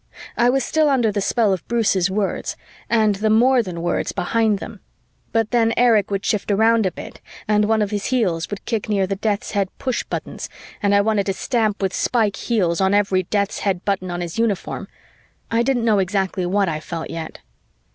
I was still under the spell of Bruce's words and the more than words behind them, but then Erich would shift around a bit and one of his heels would kick near the death's head pushbuttons and I wanted to stamp with spike heels on every death's head button on his uniform. I didn't know exactly what I felt yet.